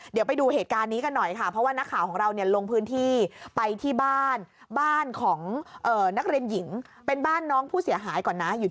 เดี๋ยวไปดูเหตุการณ์นี้กันหน่อย